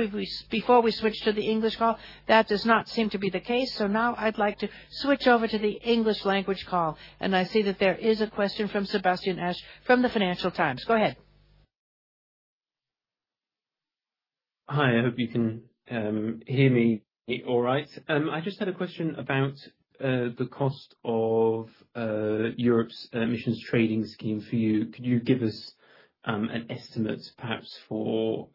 before we switch to the English call. That does not seem to be the case. Now I'd like to switch over to the English language call, and I see that there is a question from Sebastien Ash from the Financial Times. Go ahead. Hi. I hope you can hear me all right. I just had a question about the cost of Europe's emissions trading scheme for you. Could you give us an estimate perhaps for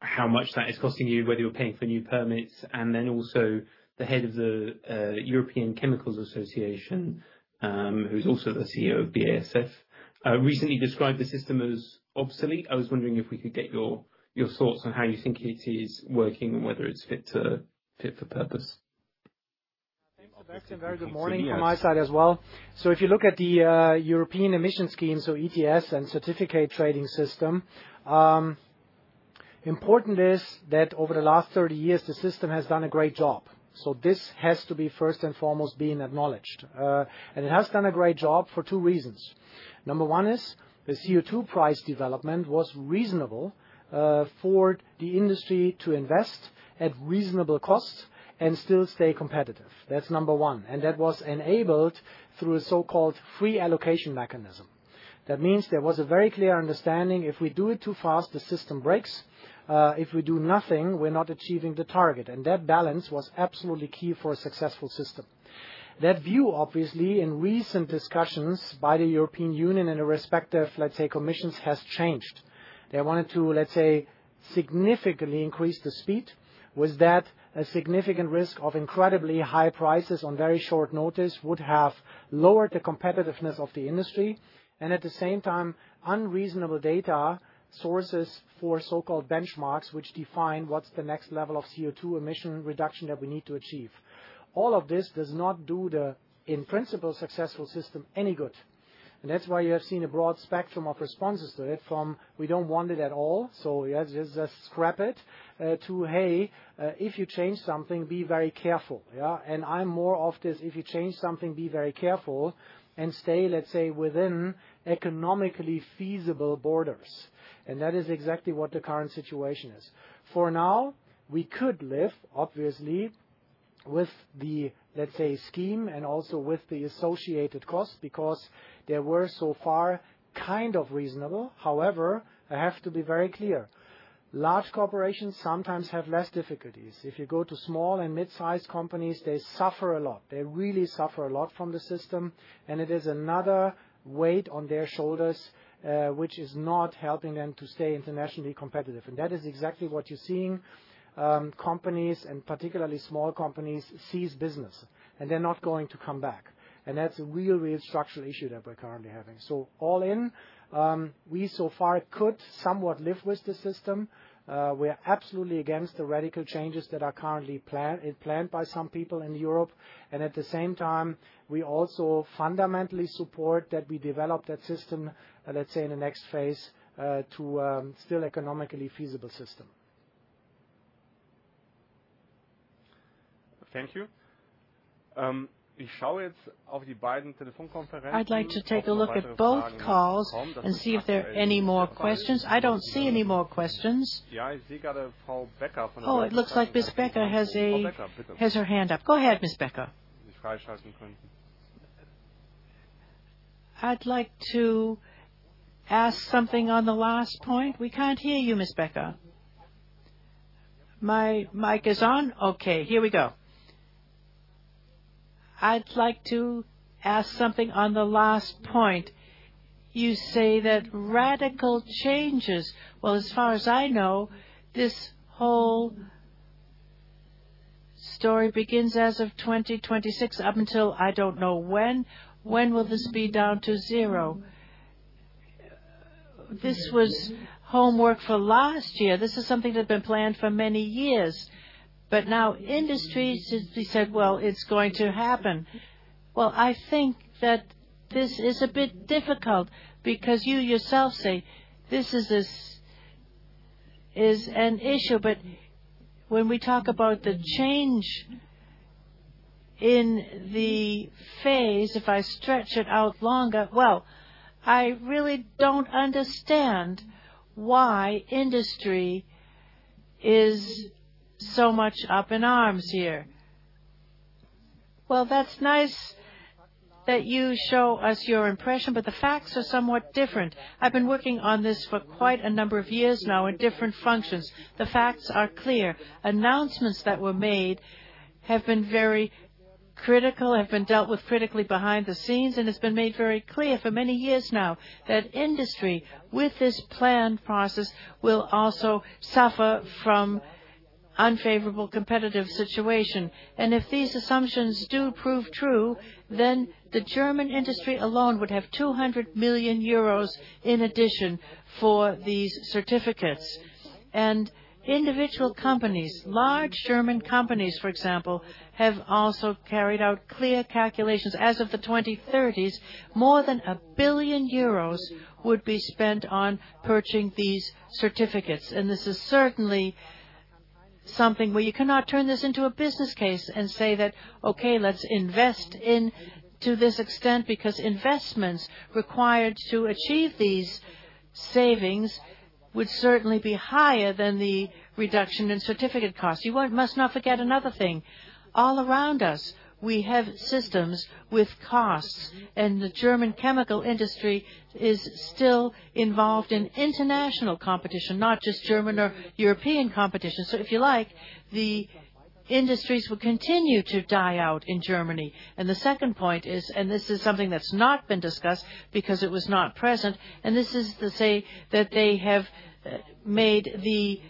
how much that is costing you, whether you're paying for new permits? Also, the head of european chemical association, who's also the CEO of BASF, recently described the system as obsolete. I was wondering if we could get your thoughts on how you think it is working and whether it's fit for purpose. Thanks, Sebastian. Very good morning from my side as well. If you look at the European emissions trading scheme, ETS and certificate trading system, important is that over the last 30 years, the system has done a great job. This has to be first and foremost being acknowledged. It has done a great job for two reasons. Number one is the CO₂ price development was reasonable for the industry to invest at reasonable cost and still stay competitive. That's number one. That was enabled through a so-called free allocation mechanism. That means there was a very clear understanding, if we do it too fast, the system breaks. If we do nothing, we're not achieving the target. That balance was absolutely key for a successful system. That view, obviously, in recent discussions by the European Union and the respective, let's say, commissions, has changed. They wanted to, let's say, significantly increase the speed. With that, a significant risk of incredibly high prices on very short notice would have lowered the competitiveness of the industry, and at the same time, unreasonable data sources for so-called benchmarks, which define what's the next level of CO2 emission reduction that we need to achieve. All of this does not do the, in principle, successful system any good. That's why you have seen a broad spectrum of responses to it, from, "We don't want it at all, so yes, let's just scrap it," to, "Hey, if you change something, be very careful." I'm more of this, if you change something, be very careful and stay, let's say, within economically feasible borders. That is exactly what the current situation is. For now, we could live, obviously, with the, let's say, scheme and also with the associated costs because they were so far kind of reasonable. However, I have to be very clear. Large corporations sometimes have less difficulties. If you go to small and mid-sized companies, they suffer a lot. They really suffer a lot from the system, and it is another weight on their shoulders, which is not helping them to stay internationally competitive. That is exactly what you're seeing, companies, and particularly small companies, cease business, and they're not going to come back. That's a real structural issue that we're currently having. All in, we so far could somewhat live with the system. We are absolutely against the radical changes that are currently planned by some people in Europe. At the same time, we also fundamentally support that we develop that system, let's say, in the next phase, to still economically feasible system. Thank you. I'd like to take a look at both calls and see if there are any more questions. I don't see any more questions. Yeah, I see, got a Paul Becker from Oh, it looks like Mrs. Becker has her hand up. Go ahead, Mrs. Becker. We can't hear you, Mrs. Becker. My mic is on? Okay, here we go. I'd like to ask something on the last point. You say that radical changes. Well, as far as I know, this whole story begins as of 2026, up until I don't know when. When will this be down to zero? This was homework for last year. This is something that had been planned for many years. Now industry said, "Well, it's going to happen." I think that this is a bit difficult because you yourself say, this is an issue, but when we talk about the change in the phase, if I stretch it out longer, I really don't understand why industry is so much up in arms here. That's nice that you show us your impression, but the facts are somewhat different. I've been working on this for quite a number of years now in different functions. The facts are clear. Announcements that were made have been very critical, have been dealt with critically behind the scenes, and it's been made very clear for many years now that industry, with this plan process, will also suffer from unfavorable competitive situation. If these assumptions do prove true, then the German industry alone would have 200 million euros in addition for these certificates. Individual companies, large German companies, for example, have also carried out clear calculations. As of the 2030s, more than 1 billion euros would be spent on purchasing these certificates. This is certainly something where you cannot turn this into a business case and say that, "Okay, let's invest in to this extent," because investments required to achieve these savings would certainly be higher than the reduction in certificate costs. Must not forget another thing. All around us, we have systems with costs, and the German chemical industry is still involved in international competition, not just German or European competition. If you like, the industries will continue to die out in Germany. The second point is, and this is something that's not been discussed because it was not present, and this is to say that they have made the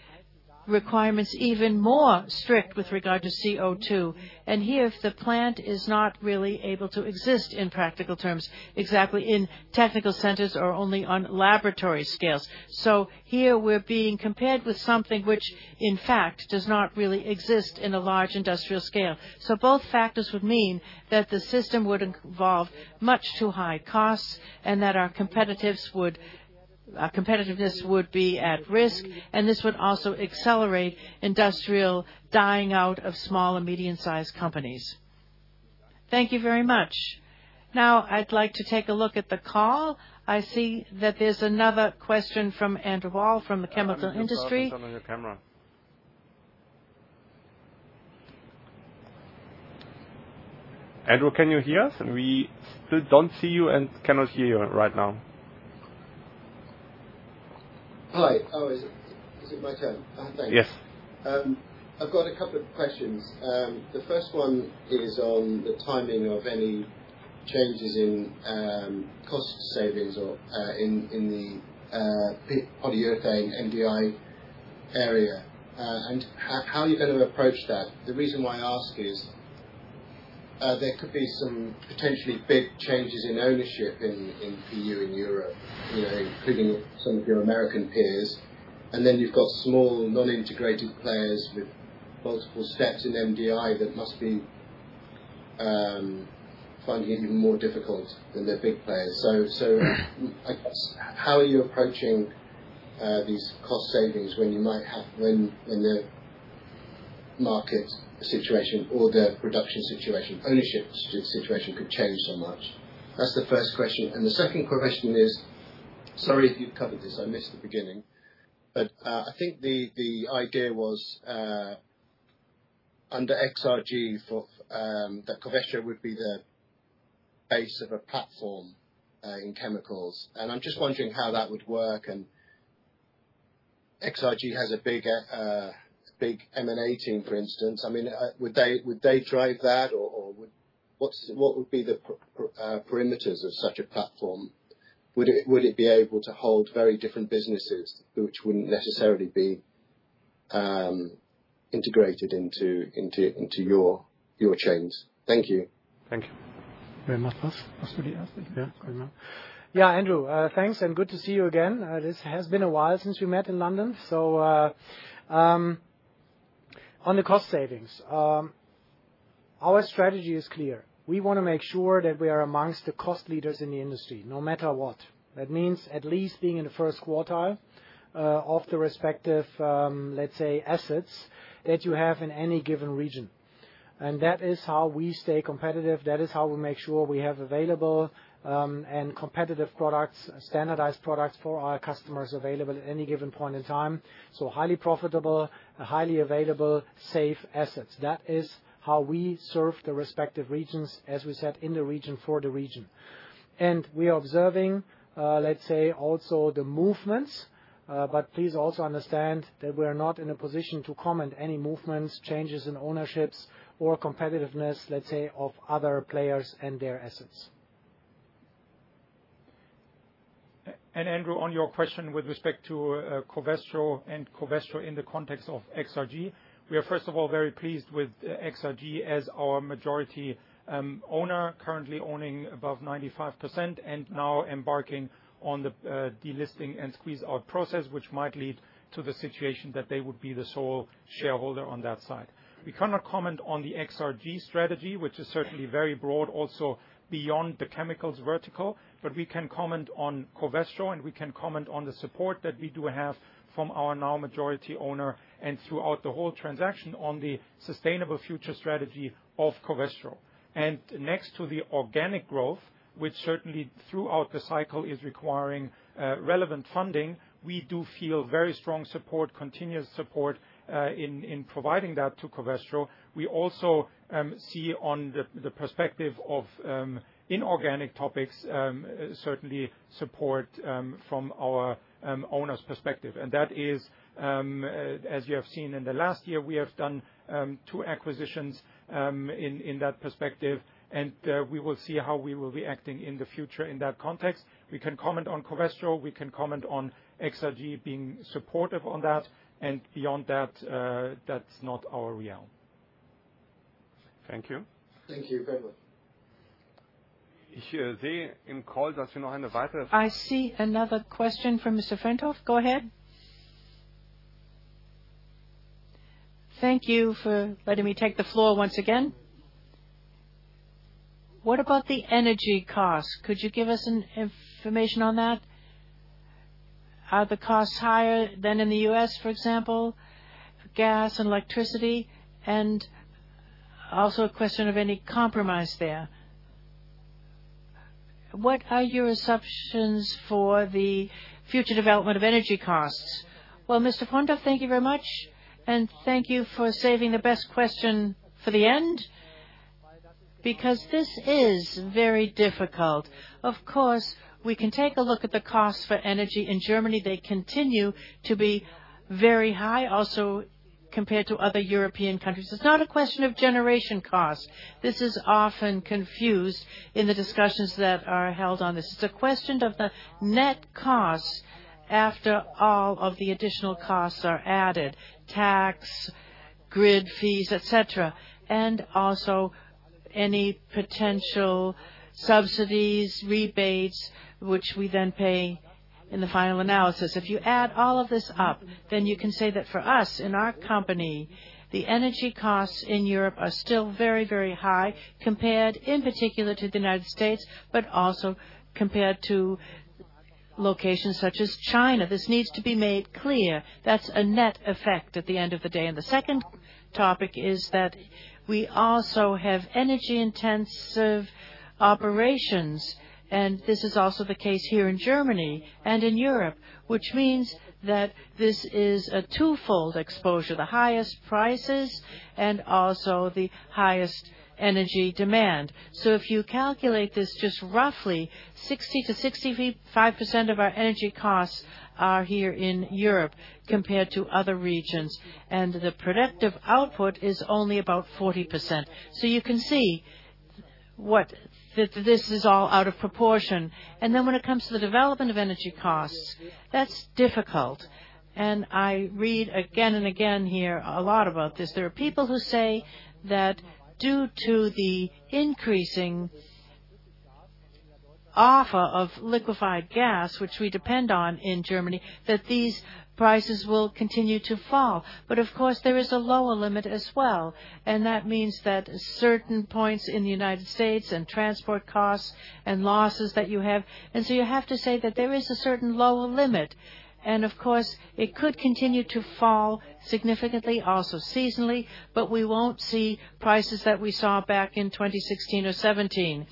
requirements even more strict with regard to CO2. Here, if the plant is not really able to exist in practical terms, exactly in technical centers or only on laboratory scales. Here we're being compared with something which, in fact, does not really exist in a large industrial scale. Both factors would mean that the system would involve much too high costs and that our competitiveness would be at risk, and this would also accelerate industrial dying out of small and medium-sized companies. Thank you very much. Now, I'd like to take a look at the call. I see that there's another question from Andrew Wall from the chemical industry. Andrew, turn on your camera. Andrew, can you hear us? We still don't see you and cannot hear you right now. Hi. Oh, is it my turn? Thanks. Yes. I've got a couple of questions. The first one is on the timing of any changes in cost savings or in the polyether and MDI area. How are you gonna approach that? The reason why I ask is there could be some potentially big changes in ownership in EU and Europe, you know, including some of your American peers. You've got small, non-integrated players with multiple steps in MDI that must be finding it even more difficult than the big players. I guess how are you approaching these cost savings when the market situation or the production situation, ownership situation could change so much? That's the first question. The second question is, sorry if you've covered this, I missed the beginning, but I think the idea was under XRG for that Covestro would be the base of a platform in chemicals. I'm just wondering how that would work. XRG has a bigger big M&A team, for instance. I mean, would they drive that or would what would be the parameters of such a platform? Would it be able to hold very different businesses which wouldn't necessarily be integrated into your chains. Thank you. Thank you. Yeah, Andrew, thanks, and good to see you again. This has been a while since we met in London. On the cost savings, our strategy is clear. We wanna make sure that we are among the cost leaders in the industry, no matter what. That means at least being in the first quartile of the respective, let's say, assets that you have in any given region. That is how we stay competitive. That is how we make sure we have available and competitive products, standardized products for our customers available at any given point in time. Highly profitable, highly available, safe assets. That is how we serve the respective regions, as we said, local for local. We are observing, let's say, also the movements. Please also understand that we're not in a position to comment any movements, changes in ownerships or competitiveness, let's say, of other players and their assets. Andrew Wall, on your question with respect to Covestro in the context of XRG. We are, first of all, very pleased with XRG as our majority owner, currently owning above 95% and now embarking on the delisting and squeeze-out process, which might lead to the situation that they would be the sole shareholder on that side. We cannot comment on the XRG strategy, which is certainly very broad, also beyond the chemicals vertical, but we can comment on Covestro, and we can comment on the support that we do have from our now majority owner and throughout the whole transaction on the Sustainable Future strategy of Covestro. Next to the organic growth, which certainly throughout the cycle is requiring relevant funding, we do feel very strong support, continuous support, in providing that to Covestro. We also see on the perspective of inorganic topics certainly support from our owner's perspective. That is, as you have seen in the last year, we have done 2 acquisitions in that perspective, and we will see how we will be acting in the future in that context. We can comment on Covestro, we can comment on XRG being supportive on that, and beyond that's not our realm. Thank you. Thank you. Bye-bye. I see another question from Mr. Frentorf. Go ahead. Thank you for letting me take the floor once again. What about the energy costs? Could you give us an information on that? Are the costs higher than in the U.S., for example, gas and electricity? Also a question of any compromise there. What are your assumptions for the future development of energy costs? Well, Mr. Frentorf, thank you very much, and thank you for saving the best question for the end, because this is very difficult. Of course, we can take a look at the cost for energy in Germany. They continue to be very high, also compared to other European countries. It's not a question of generation cost. This is often confused in the discussions that are held on this. It's a question of the net costs after all of the additional costs are added, tax, grid fees, et cetera, and also any potential subsidies, rebates, which we then pay in the final analysis. If you add all of this up, then you can say that for us, in our company, the energy costs in Europe are still very, very high compared, in particular, to the United States, but also compared to locations such as China. This needs to be made clear. That's a net effect at the end of the day. The second topic is that we also have energy-intensive operations, and this is also the case here in Germany and in Europe, which means that this is a twofold exposure, the highest prices and also the highest energy demand. If you calculate this just roughly, 60%-65% of our energy costs are here in Europe compared to other regions, and the productive output is only about 40%. You can see this is all out of proportion. Then when it comes to the development of energy costs, that's difficult. I read again and again here a lot about this. There are people who say that due to the increasing offer of liquefied gas, which we depend on in Germany, that these prices will continue to fall. Of course, there is a lower limit as well, and that means that certain costs in the United States and transport costs and losses that you have. You have to say that there is a certain lower limit. Of course, it could continue to fall significantly, also seasonally, but we won't see prices that we saw back in 2016 or 2017.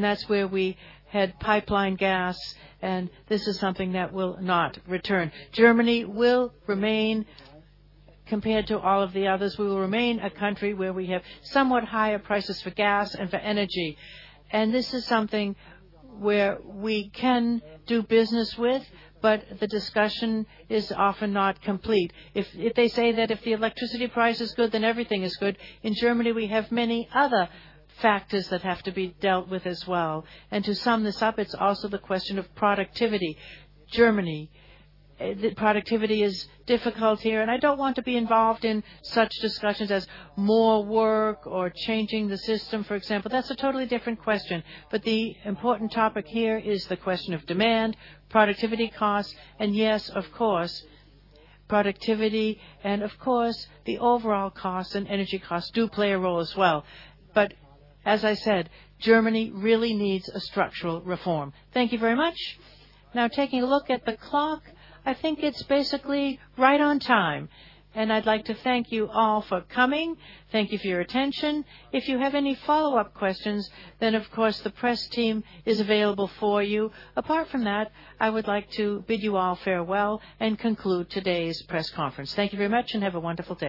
That's where we had pipeline gas, and this is something that will not return. Germany will remain, compared to all of the others, we will remain a country where we have somewhat higher prices for gas and for energy. This is something where we can do business with, but the discussion is often not complete. If they say that if the electricity price is good, then everything is good. In Germany, we have many other factors that have to be dealt with as well. To sum this up, it's also the question of productivity. Germany, the productivity is difficult here, and I don't want to be involved in such discussions as more work or changing the system, for example. That's a totally different question. The important topic here is the question of demand, productivity costs, and yes, of course, productivity, and of course, the overall costs and energy costs do play a role as well. As I said, Germany really needs a structural reform. Thank you very much. Now, taking a look at the clock, I think it's basically right on time. I'd like to thank you all for coming. Thank you for your attention. If you have any follow-up questions, then of course the press team is available for you. Apart from that, I would like to bid you all farewell and conclude today's press conference. Thank you very much and have a wonderful day.